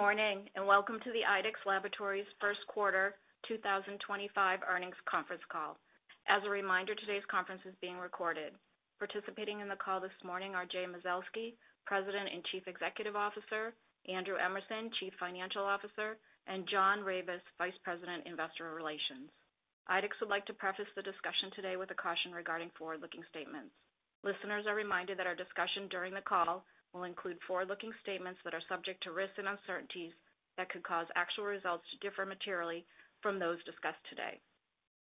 Good morning and welcome to the IDEXX Laboratories Q1 2025 earnings conference call. As a reminder, today's conference is being recorded. Participating in the call this morning are Jay Mazelsky, President and Chief Executive Officer; Andrew Emerson, Chief Financial Officer; and John Ravis, Vice President, Investor Relations. IDEXX would like to preface the discussion today with a caution regarding forward-looking statements. Listeners are reminded that our discussion during the call will include forward-looking statements that are subject to risks and uncertainties that could cause actual results to differ materially from those discussed today.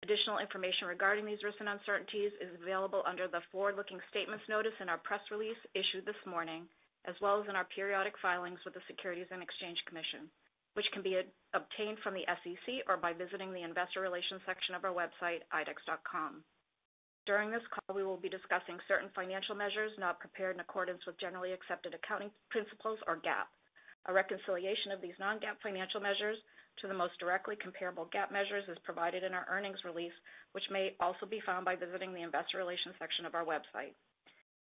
Additional information regarding these risks and uncertainties is available under the forward-looking statements notice in our press release issued this morning, as well as in our periodic filings with the Securities and Exchange Commission, which can be obtained from the SEC or by visiting the Investor Relations section of our website, idexx.com. During this call, we will be discussing certain financial measures not prepared in accordance with generally accepted accounting principles or GAAP. A reconciliation of these non-GAAP financial measures to the most directly comparable GAAP measures is provided in our earnings release, which may also be found by visiting the Investor Relations section of our website.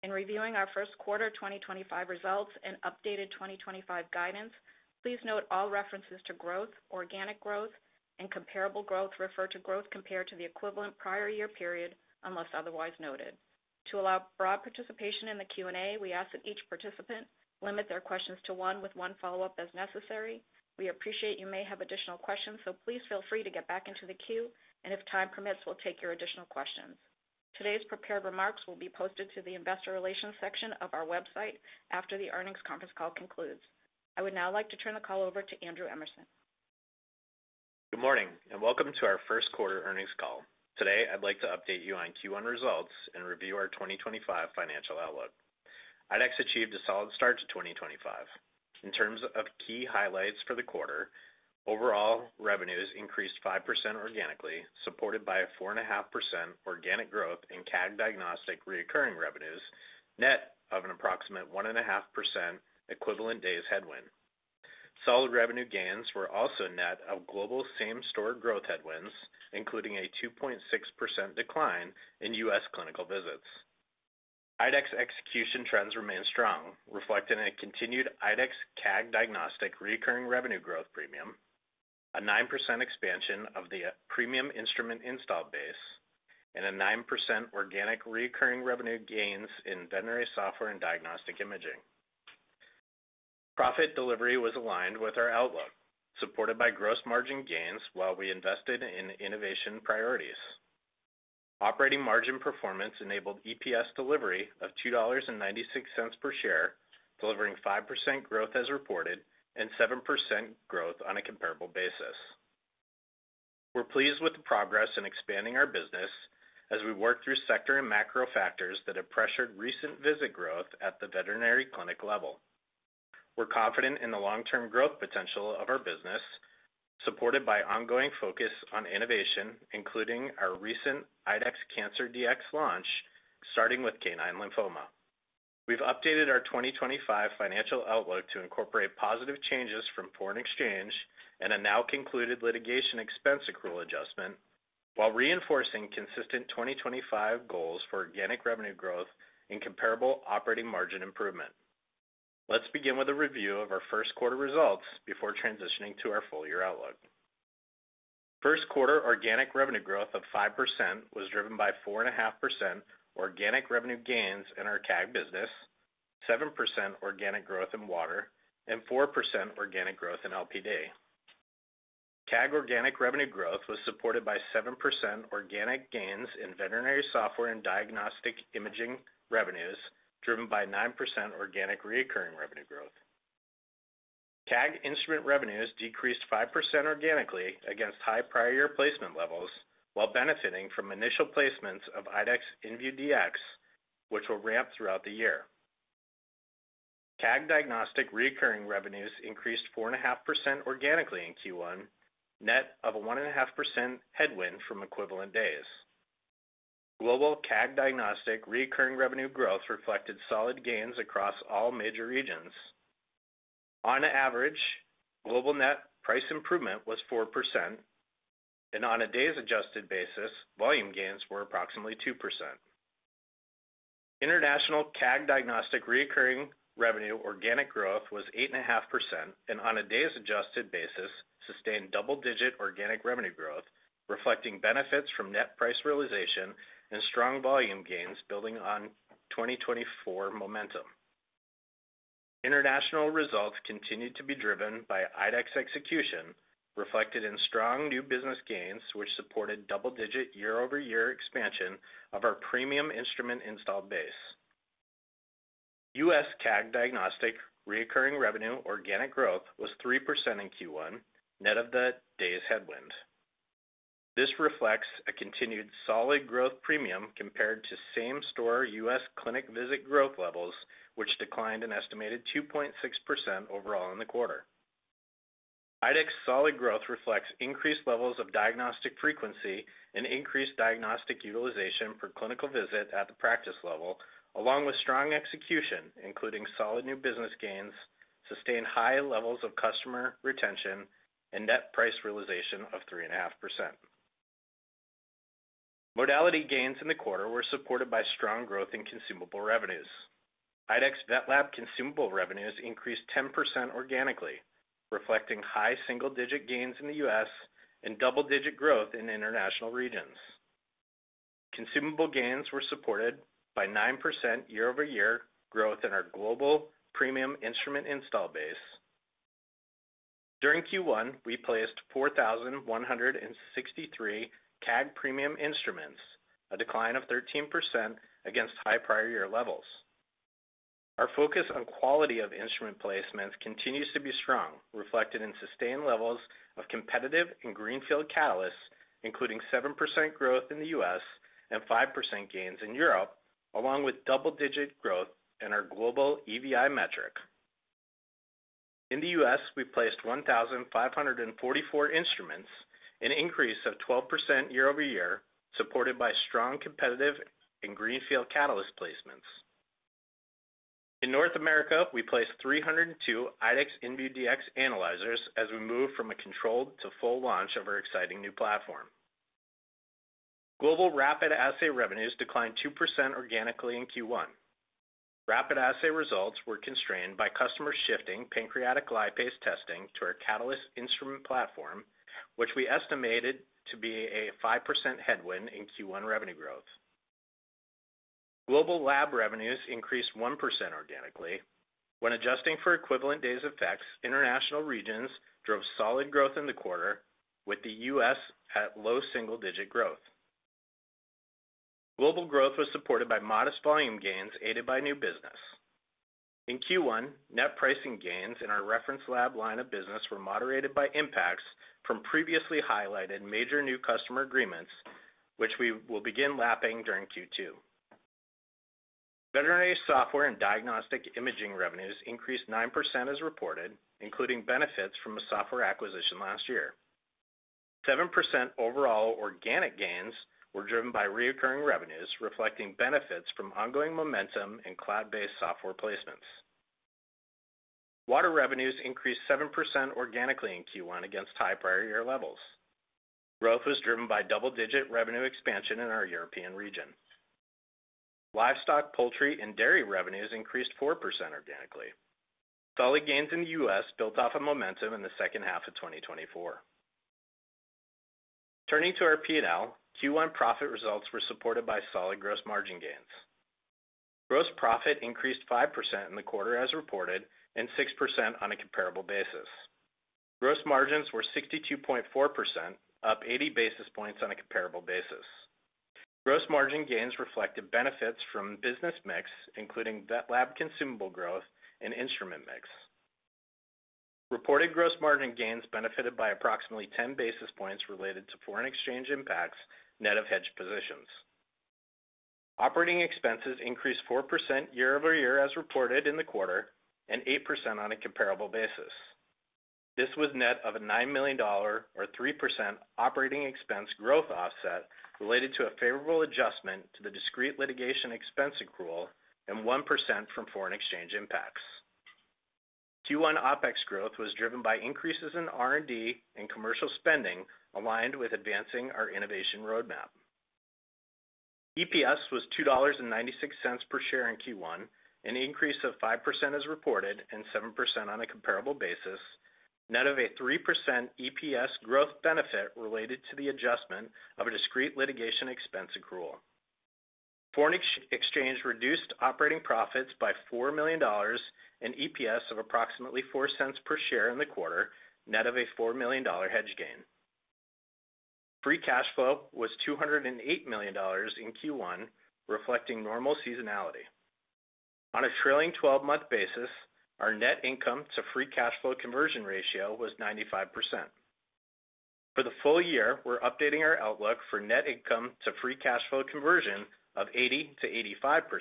In reviewing our Q1 2025 results and updated 2025 guidance, please note all references to growth, organic growth, and comparable growth refer to growth compared to the equivalent prior year period unless otherwise noted. To allow broad participation in the Q&A, we ask that each participant limit their questions to one with one follow-up as necessary. We appreciate you may have additional questions, so please feel free to get back into the queue, and if time permits, we'll take your additional questions. Today's prepared remarks will be posted to the Investor Relations section of our website after the earnings conference call concludes. I would now like to turn the call over to Andrew Emerson. Good morning and welcome to our Q1 earnings call. Today, I'd like to update you on Q1 results and review our 2025 financial outlook. IDEXX achieved a solid start to 2025. In terms of key highlights for the quarter, overall revenues increased 5% organically, supported by a 4.5% organic growth in CAG diagnostic recurring revenues, net of an approximate 1.5% equivalent days headwind. Solid revenue gains were also net of global same-store growth headwinds, including a 2.6% decline in U.S. clinical visits. IDEXX execution trends remain strong, reflecting a continued IDEXX CAG diagnostic recurring revenue growth premium, a 9% expansion of the premium instrument install base, and a 9% organic recurring revenue gains in veterinary software and diagnostic imaging. Profit delivery was aligned with our outlook, supported by gross margin gains while we invested in innovation priorities. Operating margin performance enabled EPS delivery of $2.96 per share, delivering 5% growth as reported and 7% growth on a comparable basis. We're pleased with the progress in expanding our business as we work through sector and macro factors that have pressured recent visit growth at the veterinary clinic level. We're confident in the long-term growth potential of our business, supported by ongoing focus on innovation, including our recent IDEXX Cancer DX launch starting with canine lymphoma. We've updated our 2025 financial outlook to incorporate positive changes from foreign exchange and a now concluded litigation expense accrual adjustment, while reinforcing consistent 2025 goals for organic revenue growth and comparable operating margin improvement. Let's begin with a review of our Q1 results before transitioning to our full year outlook. Q1 organic revenue growth of 5% was driven by 4.5% organic revenue gains in our CAG business, 7% organic growth in water, and 4% organic growth in LPD. CAG organic revenue growth was supported by 7% organic gains in veterinary software and diagnostic imaging revenues, driven by 9% organic recurring revenue growth. CAG instrument revenues decreased 5% organically against high prior year placement levels, while benefiting from initial placements of IDEXX Enview DX, which will ramp throughout the year. CAG diagnostic recurring revenues increased 4.5% organically in Q1, net of a 1.5% headwind from equivalent days. Global CAG diagnostic recurring revenue growth reflected solid gains across all major regions. On average, global net price improvement was 4%, and on a days-adjusted basis, volume gains were approximately 2%. International CAG diagnostic recurring revenue organic growth was 8.5%, and on a days-adjusted basis, sustained double-digit organic revenue growth, reflecting benefits from net price realization and strong volume gains building on 2024 momentum. International results continued to be driven by IDEXX execution, reflected in strong new business gains, which supported double-digit year-over-year expansion of our premium instrument install base. U.S. CAG diagnostic recurring revenue organic growth was 3% in Q1, net of the days headwind. This reflects a continued solid growth premium compared to same-store U.S. clinic visit growth levels, which declined an estimated 2.6% overall in the quarter. IDEXX solid growth reflects increased levels of diagnostic frequency and increased diagnostic utilization for clinical visit at the practice level, along with strong execution, including solid new business gains, sustained high levels of customer retention, and net price realization of 3.5%. Modality gains in the quarter were supported by strong growth in consumable revenues. IDEXX Vet Lab consumable revenues increased 10% organically, reflecting high single-digit gains in the U.S. and double-digit growth in international regions. Consumable gains were supported by 9% year-over-year growth in our global premium instrument install base. During Q1, we placed 4,163 CAG premium instruments, a decline of 13% against high prior year levels. Our focus on quality of instrument placements continues to be strong, reflected in sustained levels of competitive and greenfield catalysts, including 7% growth in the U.S. and 5% gains in Europe, along with double-digit growth in our global EVI metric. In the U.S., we placed 1,544 instruments, an increase of 12% year-over-year, supported by strong competitive and greenfield catalyst placements. In North America, we placed 302 IDEXX Enview DX analyzers as we move from a controlled to full launch of our exciting new platform. Global rapid assay revenues declined 2% organically in Q1. Rapid assay results were constrained by customers shifting pancreatic lipase testing to our Catalyst instrument platform, which we estimated to be a 5% headwind in Q1 revenue growth. Global lab revenues increased 1% organically. When adjusting for equivalent days of FEX, international regions drove solid growth in the quarter, with the U.S. at low single-digit growth. Global growth was supported by modest volume gains aided by new business. In Q1, net pricing gains in our reference lab line of business were moderated by impacts from previously highlighted major new customer agreements, which we will begin lapping during Q2. Veterinary software and diagnostic imaging revenues increased 9% as reported, including benefits from a software acquisition last year. 7% overall organic gains were driven by recurring revenues, reflecting benefits from ongoing momentum in cloud-based software placements. Water revenues increased 7% organically in Q1 against high prior year levels. Growth was driven by double-digit revenue expansion in our European region. Livestock, poultry, and dairy revenues increased 4% organically. Solid gains in the U.S. built off of momentum in the second half of 2024. Turning to our P&L, Q1 profit results were supported by solid gross margin gains. Gross profit increased 5% in the quarter as reported and 6% on a comparable basis. Gross margins were 62.4%, up 80 basis points on a comparable basis. Gross margin gains reflected benefits from business mix, including Vet Lab consumable growth and instrument mix. Reported gross margin gains benefited by approximately 10 basis points related to foreign exchange impacts net of hedge positions. Operating expenses increased 4% year-over-year as reported in the quarter and 8% on a comparable basis. This was net of a $9 million, or 3% operating expense growth offset related to a favorable adjustment to the discrete litigation expense accrual and 1% from foreign exchange impacts. Q1 OPEX growth was driven by increases in R&D and commercial spending aligned with advancing our innovation roadmap. EPS was $2.96 per share in Q1, an increase of 5% as reported and 7% on a comparable basis, net of a 3% EPS growth benefit related to the adjustment of a discrete litigation expense accrual. Foreign exchange reduced operating profits by $4 million and EPS of approximately $0.04 per share in the quarter, net of a $4 million hedge gain. Free cash flow was $208 million in Q1, reflecting normal seasonality. On a trailing 12-month basis, our net income to free cash flow conversion ratio was 95%. For the full year, we're updating our outlook for net income to free cash flow conversion of 80%-85%,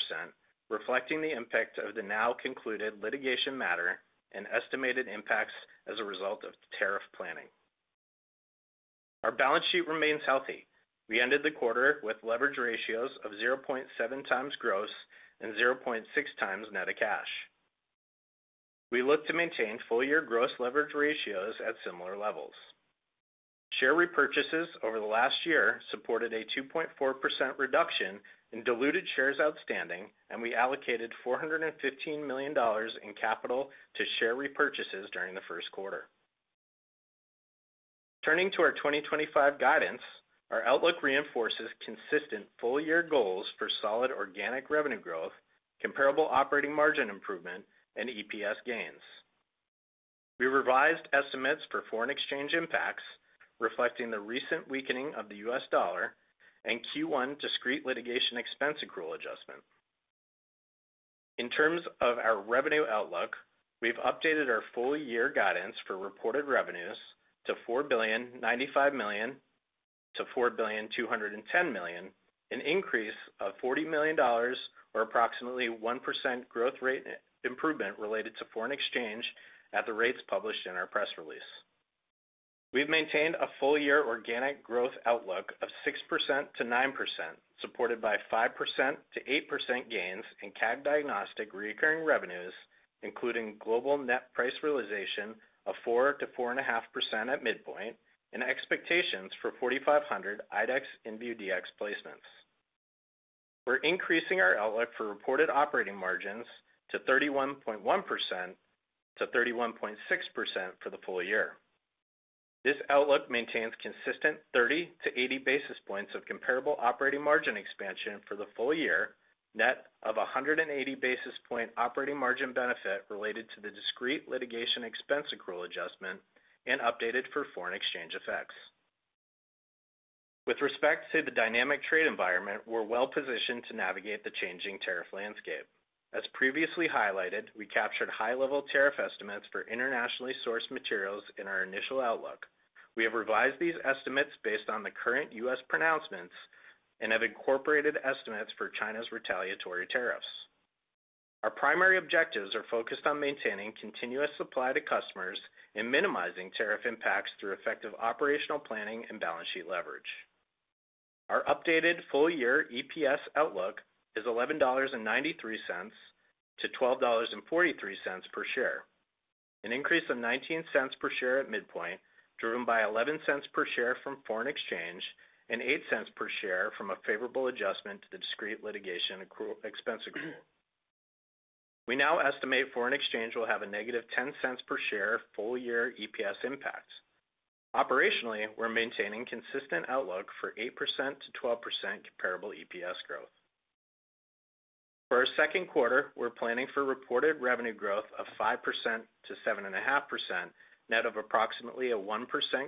reflecting the impact of the now concluded litigation matter and estimated impacts as a result of tariff planning. Our balance sheet remains healthy. We ended the quarter with leverage ratios of 0.7 times gross and 0.6 times net of cash. We look to maintain full-year gross leverage ratios at similar levels. Share repurchases over the last year supported a 2.4% reduction in diluted shares outstanding, and we allocated $415 million in capital to share repurchases during the Q1. Turning to our 2025 guidance, our outlook reinforces consistent full-year goals for solid organic revenue growth, comparable operating margin improvement, and EPS gains. We revised estimates for foreign exchange impacts, reflecting the recent weakening of the U.S. dollar and Q1 discrete litigation expense accrual adjustment. In terms of our revenue outlook, we've updated our full-year guidance for reported revenues to $4,095 million-$4,210 million, an increase of $40 million, or approximately 1% growth rate improvement related to foreign exchange at the rates published in our press release. We've maintained a full-year organic growth outlook of 6%-9%, supported by 5%-8% gains in CAG diagnostic recurring revenues, including global net price realization of 4%-4.5% at midpoint, and expectations for 4,500 IDEXX Enview DX placements. We're increasing our outlook for reported operating margins to 31.1%-31.6% for the full year. This outlook maintains consistent 30-80 basis points of comparable operating margin expansion for the full year, net of 180 basis point operating margin benefit related to the discrete litigation expense accrual adjustment and updated for foreign exchange effects. With respect to the dynamic trade environment, we're well positioned to navigate the changing tariff landscape. As previously highlighted, we captured high-level tariff estimates for internationally sourced materials in our initial outlook. We have revised these estimates based on the current U.S. pronouncements and have incorporated estimates for China's retaliatory tariffs. Our primary objectives are focused on maintaining continuous supply to customers and minimizing tariff impacts through effective operational planning and balance sheet leverage. Our updated full-year EPS outlook is $11.93-$12.43 per share, an increase of $0.19 per share at midpoint, driven by $0.11 per share from foreign exchange and $0.08 per share from a favorable adjustment to the discrete litigation expense accrual. We now estimate foreign exchange will have a negative $0.10 per share full-year EPS impact. Operationally, we're maintaining consistent outlook for 8%-12% comparable EPS growth. For our second quarter, we're planning for reported revenue growth of 5%-7.5%, net of approximately a 1%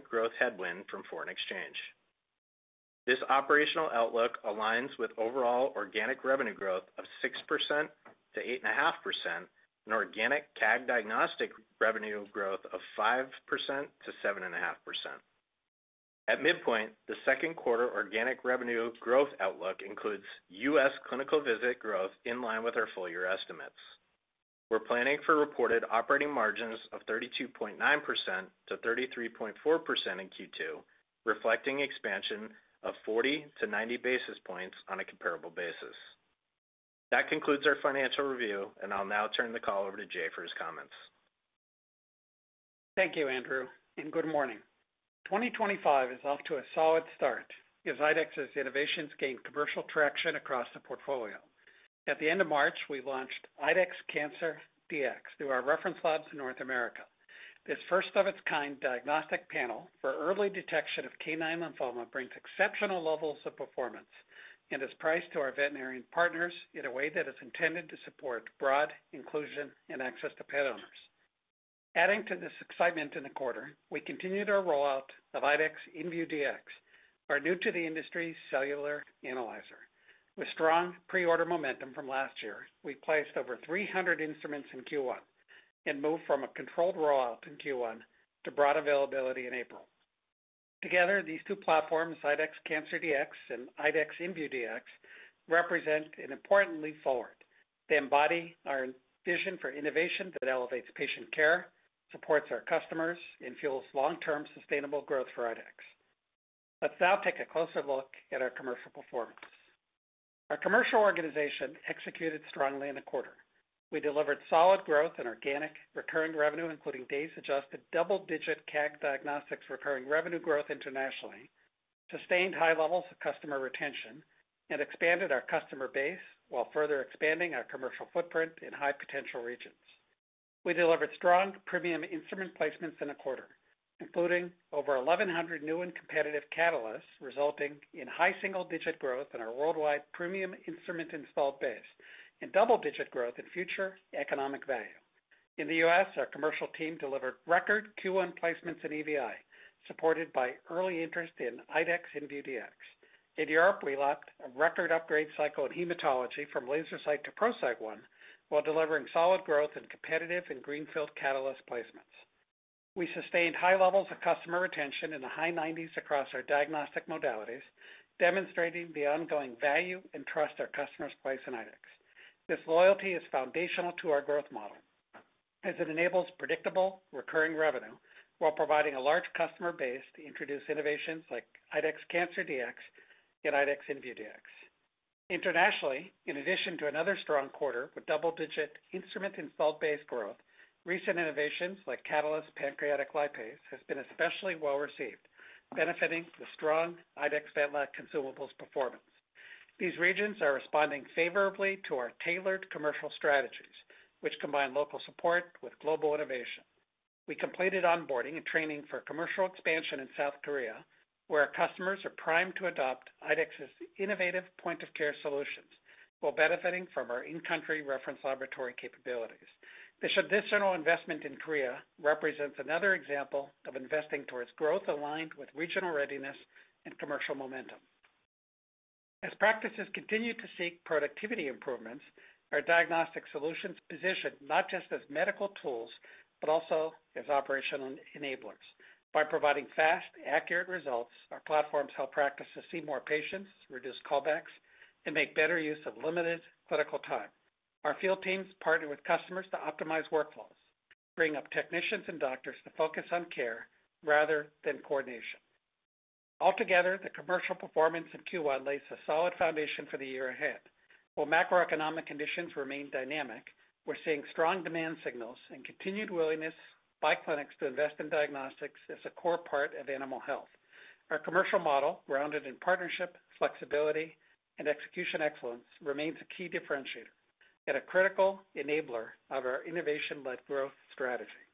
growth headwind from foreign exchange. This operational outlook aligns with overall organic revenue growth of 6%-8.5% and organic CAG diagnostic revenue growth of 5%-7.5%. At midpoint, the second quarter organic revenue growth outlook includes U.S. clinical visit growth in line with our full-year estimates. We're planning for reported operating margins of 32.9%-33.4% in Q2, reflecting expansion of 40-90 basis points on a comparable basis. That concludes our financial review, and I'll now turn the call over to Jay for his comments. Thank you, Andrew, and good morning. 2025 is off to a solid start as IDEXX's innovations gain commercial traction across the portfolio. At the end of March, we launched IDEXX Cancer DX through our reference labs in North America. This first-of-its-kind diagnostic panel for early detection of canine lymphoma brings exceptional levels of performance and is priced to our veterinarian partners in a way that is intended to support broad inclusion and access to pet owners. Adding to this excitement in the quarter, we continued our rollout of IDEXX Enview DX, our new-to-the-industry cellular analyzer. With strong pre-order momentum from last year, we placed over 300 instruments in Q1 and moved from a controlled rollout in Q1 to broad availability in April. Together, these two platforms, IDEXX Cancer DX and IDEXX Enview DX, represent an important leap forward. They embody our vision for innovation that elevates patient care, supports our customers, and fuels long-term sustainable growth for IDEXX. Let's now take a closer look at our commercial performance. Our commercial organization executed strongly in the quarter. We delivered solid growth in organic recurring revenue, including days adjusted double-digit CAG diagnostics recurring revenue growth internationally, sustained high levels of customer retention, and expanded our customer base while further expanding our commercial footprint in high potential regions. We delivered strong premium instrument placements in the quarter, including over 1,100 new and competitive Catalysts, resulting in high single-digit growth in our worldwide premium instrument install base and double-digit growth in future economic value. In the U.S., our commercial team delivered record Q1 placements in EVI, supported by early interest in IDEXX Enview DX. In Europe, we lapped a record upgrade cycle in hematology from LaserCyte to ProCyte One while delivering solid growth in competitive and greenfield Catalyst placements. We sustained high levels of customer retention in the high 90s across our diagnostic modalities, demonstrating the ongoing value and trust our customers place in IDEXX. This loyalty is foundational to our growth model as it enables predictable recurring revenue while providing a large customer base to introduce innovations like IDEXX Cancer DX and IDEXX Enview DX. Internationally, in addition to another strong quarter with double-digit instrument install base growth, recent innovations like Catalyst pancreatic lipase have been especially well received, benefiting the strong IDEXX Vet Lab consumables performance. These regions are responding favorably to our tailored commercial strategies, which combine local support with global innovation. We completed onboarding and training for commercial expansion in South Korea, where our customers are primed to adopt IDEXX's innovative point-of-care solutions, while benefiting from our in-country reference laboratory capabilities. This additional investment in Korea represents another example of investing towards growth aligned with regional readiness and commercial momentum. As practices continue to seek productivity improvements, our diagnostic solutions position not just as medical tools, but also as operational enablers. By providing fast, accurate results, our platforms help practices see more patients, reduce callbacks, and make better use of limited clinical time. Our field teams partner with customers to optimize workflows, bringing up technicians and doctors to focus on care rather than coordination. Altogether, the commercial performance in Q1 lays a solid foundation for the year ahead. While macroeconomic conditions remain dynamic, we're seeing strong demand signals and continued willingness by clinics to invest in diagnostics as a core part of animal health. Our commercial model, grounded in partnership, flexibility, and execution excellence, remains a key differentiator and a critical enabler of our innovation-led growth strategy.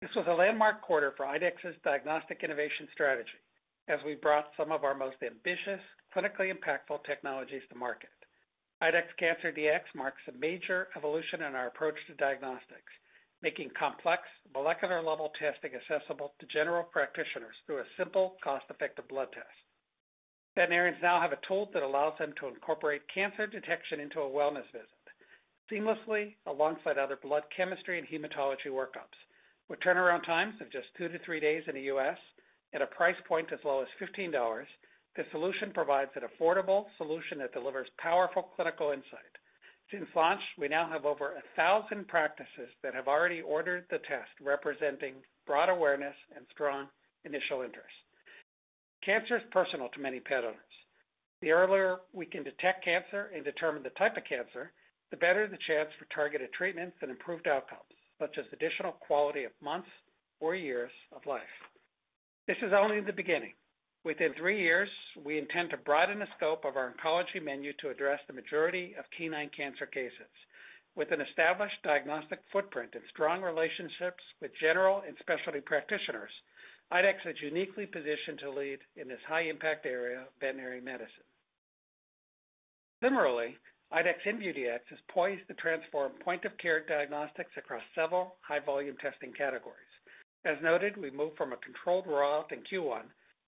This was a landmark quarter for IDEXX's diagnostic innovation strategy as we brought some of our most ambitious, clinically impactful technologies to market. IDEXX Cancer DX marks a major evolution in our approach to diagnostics, making complex molecular-level testing accessible to general practitioners through a simple, cost-effective blood test. Veterinarians now have a tool that allows them to incorporate cancer detection into a wellness visit seamlessly alongside other blood chemistry and hematology workups. With turnaround times of just two to three days in the U.S. and a price point as low as $15, this solution provides an affordable solution that delivers powerful clinical insight. Since launch, we now have over 1,000 practices that have already ordered the test, representing broad awareness and strong initial interest. Cancer is personal to many pet owners. The earlier we can detect cancer and determine the type of cancer, the better the chance for targeted treatments and improved outcomes, such as additional quality of months or years of life. This is only the beginning. Within three years, we intend to broaden the scope of our oncology menu to address the majority of canine cancer cases. With an established diagnostic footprint and strong relationships with general and specialty practitioners, IDEXX is uniquely positioned to lead in this high-impact area of veterinary medicine. Similarly, IDEXX Enview DX is poised to transform point-of-care diagnostics across several high-volume testing categories. As noted, we moved from a controlled rollout in Q1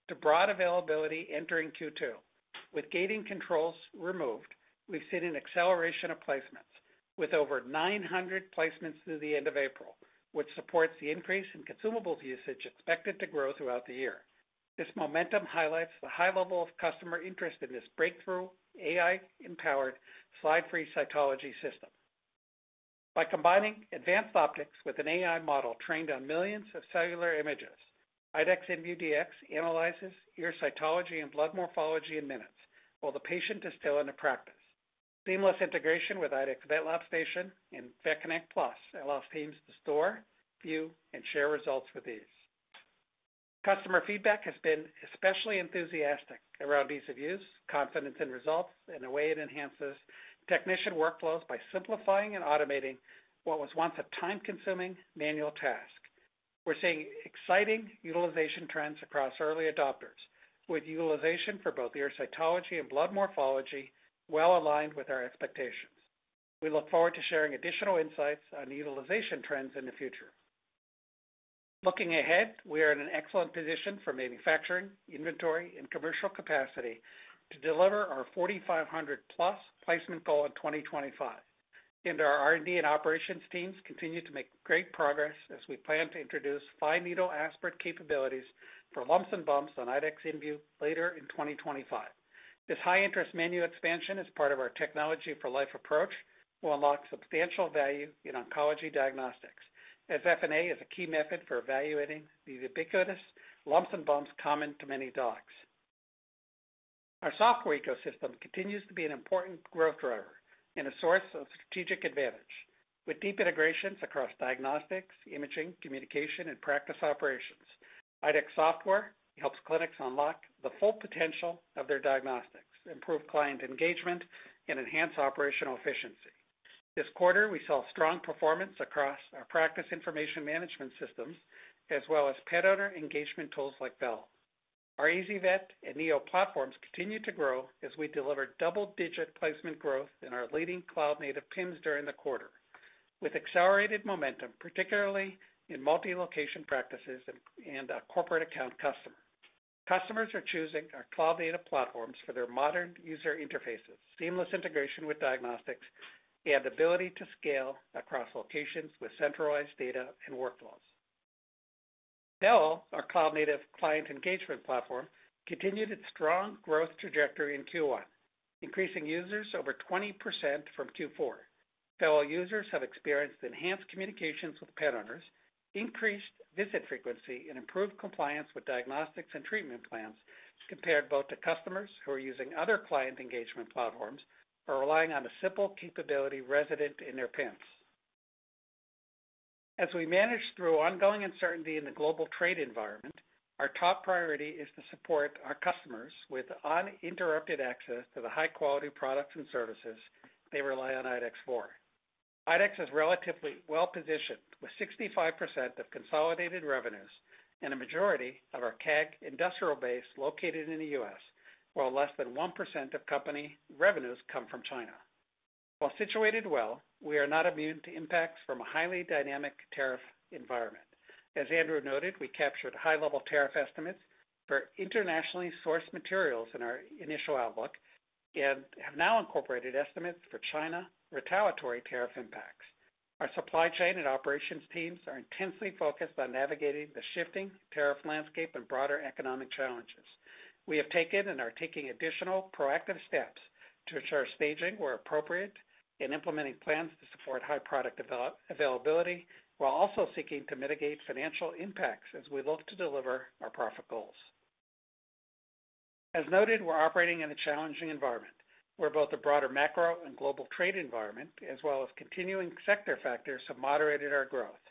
to broad availability entering Q2. With gating controls removed, we've seen an acceleration of placements, with over 900 placements through the end of April, which supports the increase in consumables usage expected to grow throughout the year. This momentum highlights the high level of customer interest in this breakthrough AI-empowered slide-free cytology system. By combining advanced optics with an AI model trained on millions of cellular images, IDEXX Enview DX analyzes ear cytology and blood morphology in minutes while the patient is still in the practice. Seamless integration with IDEXX Vet Lab station and Vet Connect Plus allows teams to store, view, and share results with ease. Customer feedback has been especially enthusiastic around ease of use, confidence in results, and the way it enhances technician workflows by simplifying and automating what was once a time-consuming manual task. We're seeing exciting utilization trends across early adopters, with utilization for both ear cytology and blood morphology well aligned with our expectations. We look forward to sharing additional insights on utilization trends in the future. Looking ahead, we are in an excellent position for manufacturing, inventory, and commercial capacity to deliver our 4,500-plus placement goal in 2025. Our R&D and operations teams continue to make great progress as we plan to introduce fine needle aspirate capabilities for lumps and bumps on IDEXX Enview later in 2025. This high-interest menu expansion is part of our technology-for-life approach. We'll unlock substantial value in oncology diagnostics, as FNA is a key method for evaluating the ubiquitous lumps and bumps common to many dogs. Our software ecosystem continues to be an important growth driver and a source of strategic advantage. With deep integrations across diagnostics, imaging, communication, and practice operations, IDEXX software helps clinics unlock the full potential of their diagnostics, improve client engagement, and enhance operational efficiency. This quarter, we saw strong performance across our practice information management systems, as well as pet owner engagement tools like Bell. Our EasyVet and Neo platforms continue to grow as we deliver double-digit placement growth in our leading cloud-native PIMs during the quarter, with accelerated momentum, particularly in multi-location practices and our corporate account customers. Customers are choosing our cloud-native platforms for their modern user interfaces, seamless integration with diagnostics, and ability to scale across locations with centralized data and workflows. Bell, our cloud-native client engagement platform, continued its strong growth trajectory in Q1, increasing users over 20% from Q4. Bell users have experienced enhanced communications with pet owners, increased visit frequency, and improved compliance with diagnostics and treatment plans compared both to customers who are using other client engagement platforms or relying on a simple capability resident in their PIMs. As we manage through ongoing uncertainty in the global trade environment, our top priority is to support our customers with uninterrupted access to the high-quality products and services they rely on IDEXX for. IDEXX is relatively well positioned with 65% of consolidated revenues and a majority of our CAG industrial base located in the U.S., while less than 1% of company revenues come from China. While situated well, we are not immune to impacts from a highly dynamic tariff environment. As Andrew noted, we captured high-level tariff estimates for internationally sourced materials in our initial outlook and have now incorporated estimates for China retaliatory tariff impacts. Our supply chain and operations teams are intensely focused on navigating the shifting tariff landscape and broader economic challenges. We have taken and are taking additional proactive steps to ensure staging where appropriate and implementing plans to support high product availability, while also seeking to mitigate financial impacts as we look to deliver our profit goals. As noted, we're operating in a challenging environment where both the broader macro and global trade environment, as well as continuing sector factors, have moderated our growth.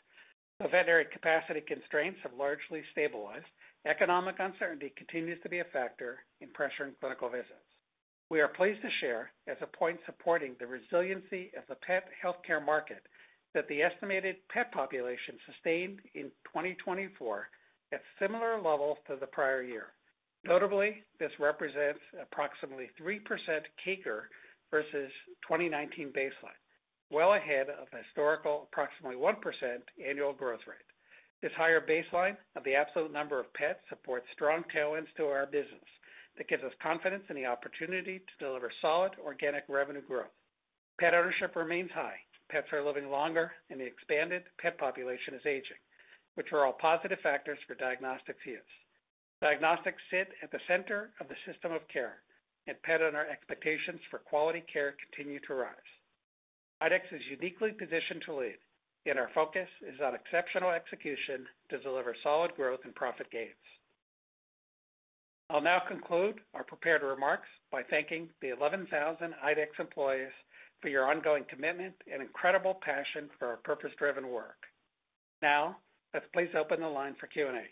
The veterinary capacity constraints have largely stabilized. Economic uncertainty continues to be a factor in pressuring clinical visits. We are pleased to share, as a point supporting the resiliency of the pet healthcare market, that the estimated pet population sustained in 2024 at similar levels to the prior year. Notably, this represents approximately 3% CAGR versus 2019 baseline, well ahead of the historical approximately 1% annual growth rate. This higher baseline of the absolute number of pets supports strong tailwinds to our business that gives us confidence in the opportunity to deliver solid organic revenue growth. Pet ownership remains high. Pets are living longer, and the expanded pet population is aging, which are all positive factors for diagnostics use. Diagnostics sit at the center of the system of care, and pet owner expectations for quality care continue to rise. IDEXX is uniquely positioned to lead, and our focus is on exceptional execution to deliver solid growth and profit gains. I'll now conclude our prepared remarks by thanking the 11,000 IDEXX employees for your ongoing commitment and incredible passion for our purpose-driven work. Now, let's please open the line for Q&A.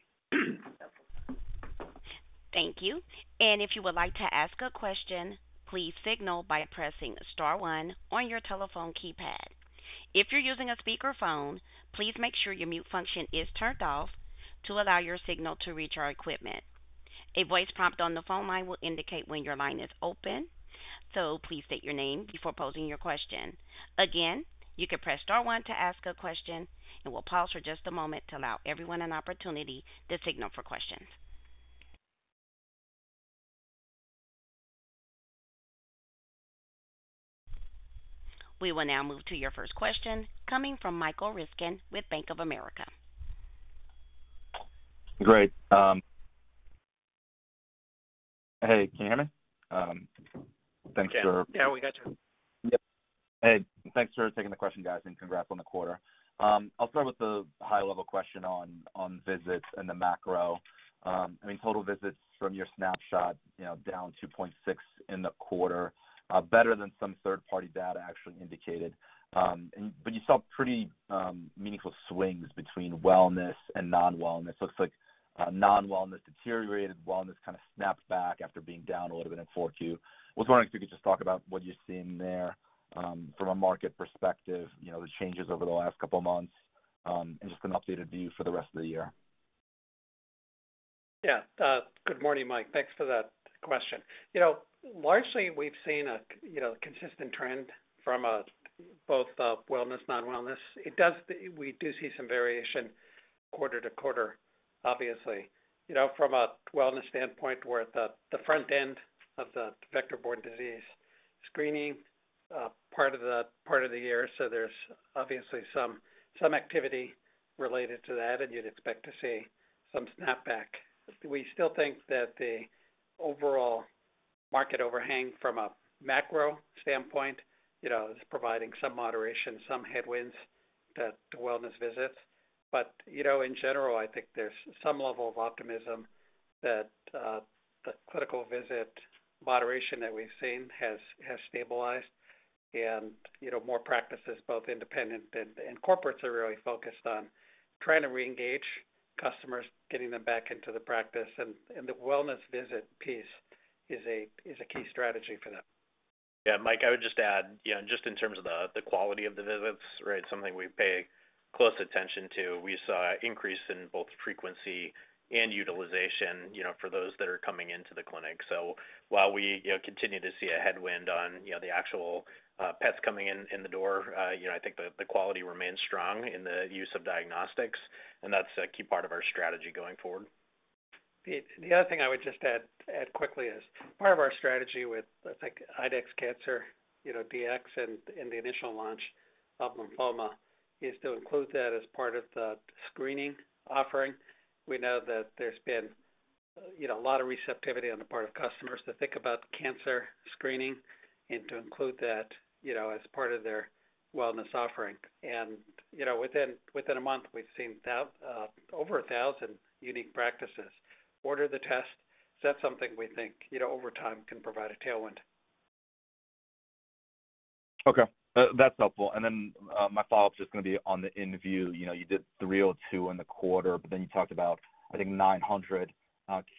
Thank you. If you would like to ask a question, please signal by pressing star one on your telephone keypad. If you're using a speakerphone, please make sure your mute function is turned off to allow your signal to reach our equipment. A voice prompt on the phone line will indicate when your line is open, so please state your name before posing your question. Again, you can press star one to ask a question, and we'll pause for just a moment to allow everyone an opportunity to signal for questions. We will now move to your first question coming from Michael Riskin with Bank of America. Great. Hey, can you hear me? Thanks for. Yeah, we got you. Yep. Hey, thanks for taking the question, guys, and congrats on the quarter. I'll start with the high-level question on visits and the macro. I mean, total visits from your snapshot down 2.6% in the quarter, better than some third-party data actually indicated. You saw pretty meaningful swings between wellness and non-wellness. Looks like non-wellness deteriorated, wellness kind of snapped back after being down a little bit in Q4. I was wondering if you could just talk about what you're seeing there from a market perspective, the changes over the last couple of months, and just an updated view for the rest of the year. Yeah. Good morning, Mike. Thanks for that question. Largely, we've seen a consistent trend from both wellness, non-wellness. We do see some variation quarter to quarter, obviously, from a wellness standpoint where the front end of the vector-borne disease screening part of the year. There is obviously some activity related to that, and you'd expect to see some snapback. We still think that the overall market overhang from a macro standpoint is providing some moderation, some headwinds to wellness visits. In general, I think there's some level of optimism that the clinical visit moderation that we've seen has stabilized, and more practices, both independent and corporate, are really focused on trying to reengage customers, getting them back into the practice. The wellness visit piece is a key strategy for them. Yeah, Mike, I would just add, just in terms of the quality of the visits, right, something we pay close attention to, we saw an increase in both frequency and utilization for those that are coming into the clinic. While we continue to see a headwind on the actual pets coming in the door, I think the quality remains strong in the use of diagnostics, and that's a key part of our strategy going forward. The other thing I would just add quickly is part of our strategy with, I think, IDEXX Cancer DX and the initial launch of lymphoma is to include that as part of the screening offering. We know that there's been a lot of receptivity on the part of customers to think about cancer screening and to include that as part of their wellness offering. Within a month, we've seen over 1,000 unique practices order the test. That is something we think over time can provide a tailwind. Okay. That's helpful. My follow-up is just going to be on the Enview. You did 302 in the quarter, but then you talked about, I think, 900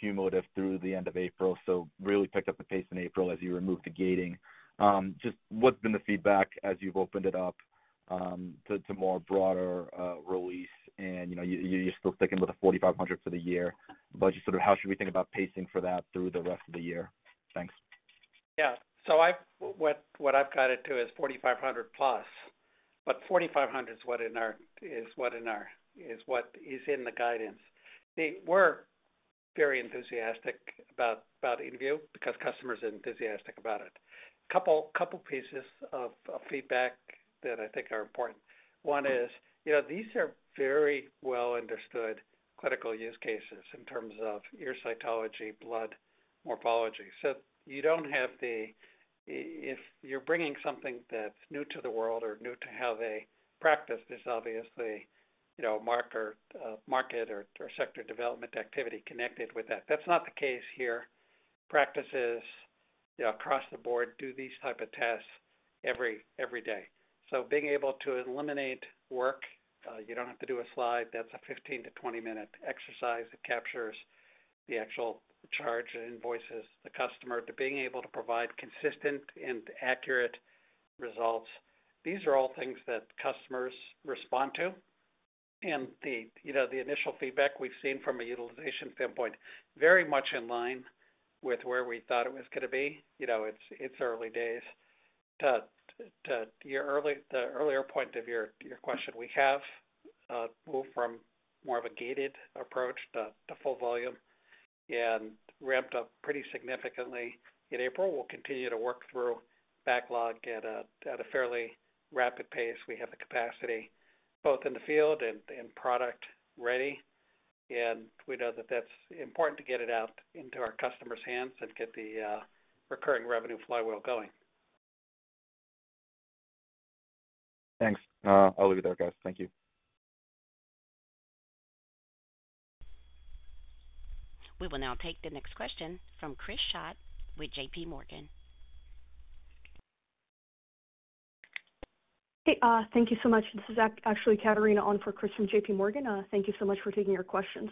cumulative through the end of April, so really picked up the pace in April as you removed the gating. What has been the feedback as you've opened it up to more broader release? You're still sticking with the 4,500 for the year, but just sort of how should we think about pacing for that through the rest of the year? Thanks. Yeah. What I've got it to is 4,500-plus, but 4,500 is what is in the guidance. We're very enthusiastic about Inview because customers are enthusiastic about it. Couple pieces of feedback that I think are important. One is these are very well-understood clinical use cases in terms of ear cytology, blood morphology. You don't have the if you're bringing something that's new to the world or new to how they practice, there's obviously a market or sector development activity connected with that. That's not the case here. Practices across the board do these types of tests every day. Being able to eliminate work, you don't have to do a slide. That's a 15-20 minute exercise that captures the actual charge and invoices the customer, to being able to provide consistent and accurate results. These are all things that customers respond to. The initial feedback we've seen from a utilization standpoint, very much in line with where we thought it was going to be. It's early days. The earlier point of your question, we have moved from more of a gated approach to full volume and ramped up pretty significantly in April. We'll continue to work through backlog at a fairly rapid pace. We have the capacity both in the field and product ready, and we know that that's important to get it out into our customers' hands and get the recurring revenue flywheel going. Thanks. I'll leave it there, guys. Thank you. We will now take the next question from Chris Schott with J.P. Morgan. Hey, thank you so much. This is actually Katherine on for Chris from J.P. Morgan. Thank you so much for taking your questions.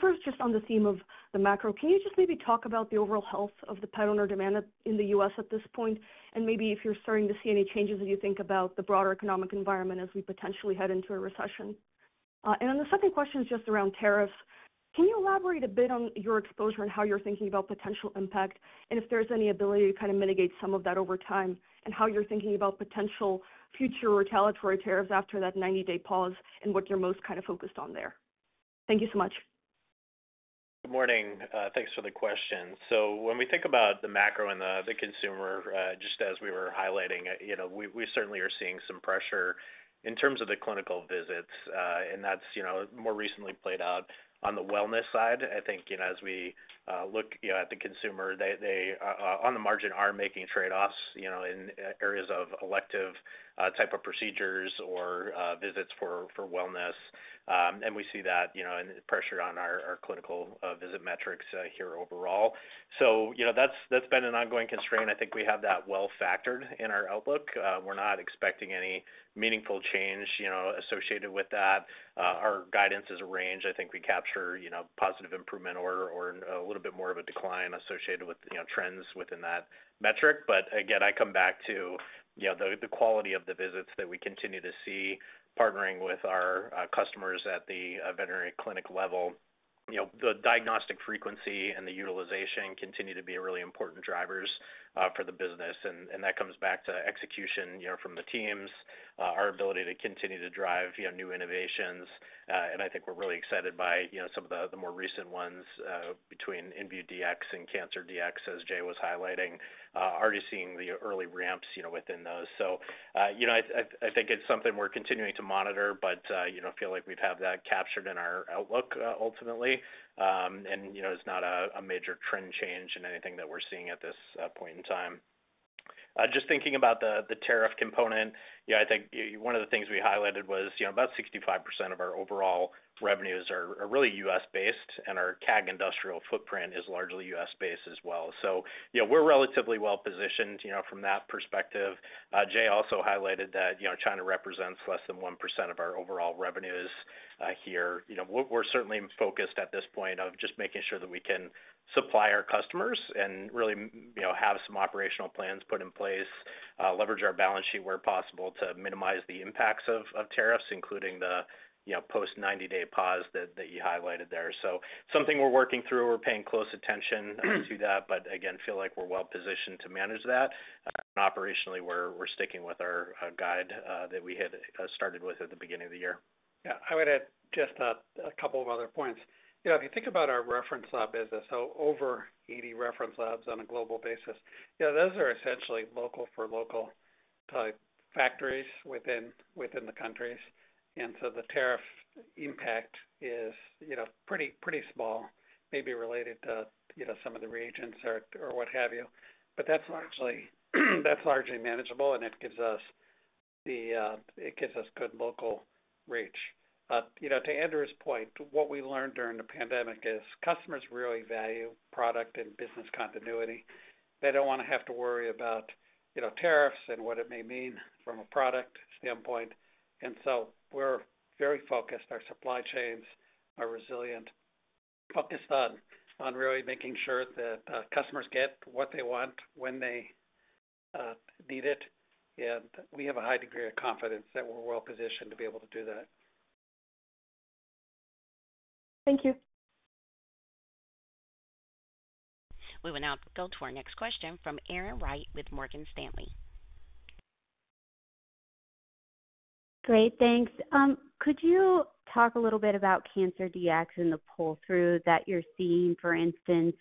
First, just on the theme of the macro, can you just maybe talk about the overall health of the pet owner demand in the U.S. at this point? Maybe if you're starting to see any changes as you think about the broader economic environment as we potentially head into a recession. The second question is just around tariffs. Can you elaborate a bit on your exposure and how you're thinking about potential impact and if there's any ability to kind of mitigate some of that over time and how you're thinking about potential future retaliatory tariffs after that 90-day pause and what you're most kind of focused on there? Thank you so much. Good morning. Thanks for the question. When we think about the macro and the consumer, just as we were highlighting, we certainly are seeing some pressure in terms of the clinical visits, and that's more recently played out on the wellness side. I think as we look at the consumer, they on the margin are making trade-offs in areas of elective type of procedures or visits for wellness. We see that pressure on our clinical visit metrics here overall. That's been an ongoing constraint. I think we have that well factored in our outlook. We're not expecting any meaningful change associated with that. Our guidance is a range. I think we capture positive improvement or a little bit more of a decline associated with trends within that metric. Again, I come back to the quality of the visits that we continue to see partnering with our customers at the veterinary clinic level. The diagnostic frequency and the utilization continue to be really important drivers for the business. That comes back to execution from the teams, our ability to continue to drive new innovations. I think we're really excited by some of the more recent ones between Enview DX and Cancer DX, as Jay was highlighting, already seeing the early ramps within those. I think it's something we're continuing to monitor, but I feel like we've had that captured in our outlook ultimately. It's not a major trend change in anything that we're seeing at this point in time. Just thinking about the tariff component, I think one of the things we highlighted was about 65% of our overall revenues are really U.S.-based, and our CAG industrial footprint is largely U.S.-based as well. We're relatively well-positioned from that perspective. Jay also highlighted that China represents less than 1% of our overall revenues here. We're certainly focused at this point on just making sure that we can supply our customers and really have some operational plans put in place, leverage our balance sheet where possible to minimize the impacts of tariffs, including the post-90-day pause that you highlighted there. That is something we're working through. We're paying close attention to that, but again, feel like we're well-positioned to manage that. Operationally, we're sticking with our guide that we had started with at the beginning of the year. Yeah. I would add just a couple of other points. If you think about our reference lab business, over 80 reference labs on a global basis, those are essentially local for local factories within the countries. The tariff impact is pretty small, maybe related to some of the reagents or what have you. That is largely manageable, and it gives us good local reach. To Andrew's point, what we learned during the pandemic is customers really value product and business continuity. They do not want to have to worry about tariffs and what it may mean from a product standpoint. We are very focused. Our supply chains are resilient, focused on really making sure that customers get what they want when they need it. We have a high degree of confidence that we are well-positioned to be able to do that. Thank you. We will now go to our next question from Erin Wright with Morgan Stanley. Great. Thanks. Could you talk a little bit about Cancer DX and the pull-through that you're seeing, for instance,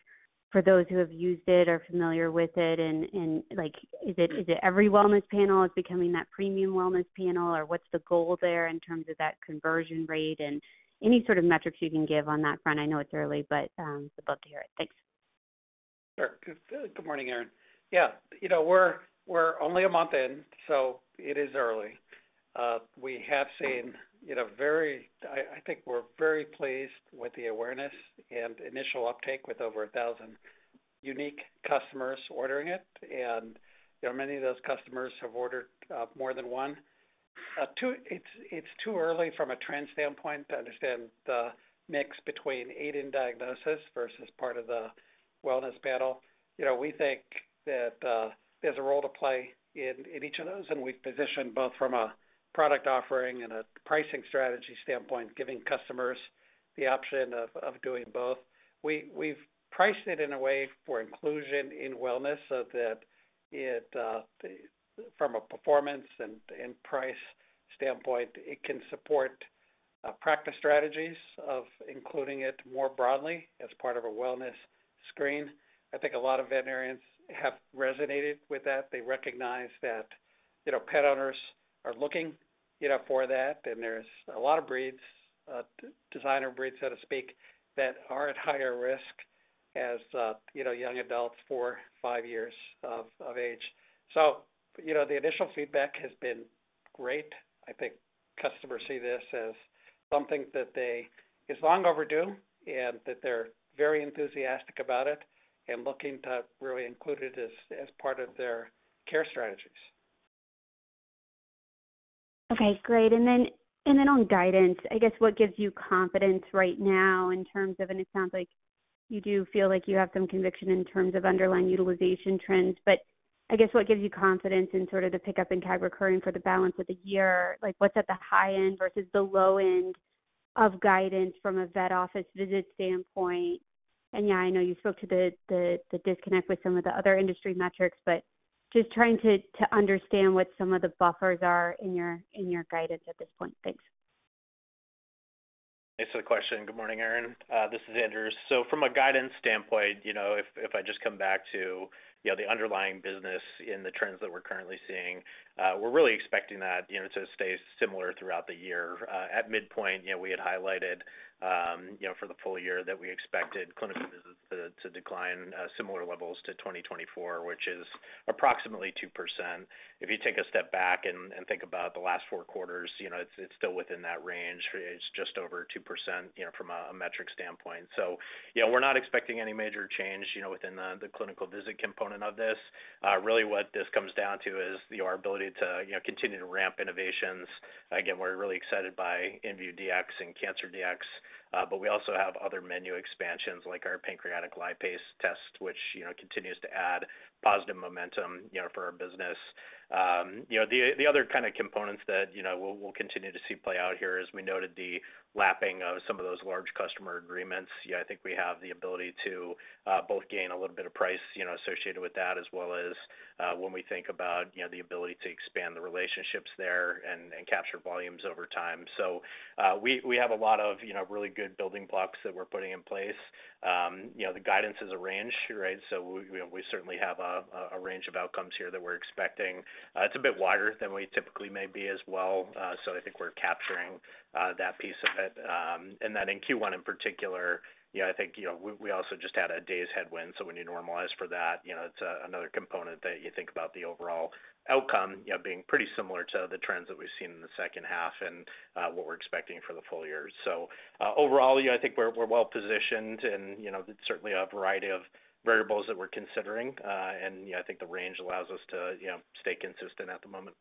for those who have used it or are familiar with it? Is it every wellness panel is becoming that premium wellness panel, or what's the goal there in terms of that conversion rate and any sort of metrics you can give on that front? I know it's early, but we'd love to hear it. Thanks. Sure. Good morning, Erin. Yeah. We're only a month in, so it is early. We have seen very—I think we're very pleased with the awareness and initial uptake with over 1,000 unique customers ordering it. Many of those customers have ordered more than one. It's too early from a trend standpoint to understand the mix between aiding diagnosis versus part of the wellness battle. We think that there's a role to play in each of those. We have positioned both from a product offering and a pricing strategy standpoint, giving customers the option of doing both. We have priced it in a way for inclusion in wellness so that from a performance and price standpoint, it can support practice strategies of including it more broadly as part of a wellness screen. I think a lot of veterinarians have resonated with that. They recognize that pet owners are looking for that. There are a lot of breeds, designer breeds, so to speak, that are at higher risk as young adults, four, five years of age. The initial feedback has been great. I think customers see this as something that is long overdue and that they are very enthusiastic about it and looking to really include it as part of their care strategies. Okay. Great.On guidance, I guess what gives you confidence right now in terms of—and it sounds like you do feel like you have some conviction in terms of underlying utilization trends, but I guess what gives you confidence in sort of the pickup in CAG recurring for the balance of the year? What's at the high end versus the low end of guidance from a vet office visit standpoint? I know you spoke to the disconnect with some of the other industry metrics, but just trying to understand what some of the buffers are in your guidance at this point. Thanks. Thanks for the question. Good morning, Erin. This is Andrew. From a guidance standpoint, if I just come back to the underlying business in the trends that we're currently seeing, we're really expecting that to stay similar throughout the year. At midpoint, we had highlighted for the full year that we expected clinical visits to decline similar levels to 2024, which is approximately 2%. If you take a step back and think about the last four quarters, it's still within that range. It's just over 2% from a metric standpoint. We are not expecting any major change within the clinical visit component of this. Really, what this comes down to is our ability to continue to ramp innovations. Again, we're really excited by Enview DX and Cancer DX, but we also have other menu expansions like our pancreatic lipase test, which continues to add positive momentum for our business. The other kind of components that we'll continue to see play out here is we noted the lapping of some of those large customer agreements. I think we have the ability to both gain a little bit of price associated with that as well as when we think about the ability to expand the relationships there and capture volumes over time. We have a lot of really good building blocks that we're putting in place. The guidance is a range, right? We certainly have a range of outcomes here that we're expecting. It's a bit wider than we typically may be as well. I think we're capturing that piece of it. In Q1 in particular, I think we also just had a day's headwind. When you normalize for that, it's another component that you think about, the overall outcome being pretty similar to the trends that we've seen in the second half and what we're expecting for the full year. Overall, I think we're well-positioned and certainly a variety of variables that we're considering. I think the range allows us to stay consistent at the moment.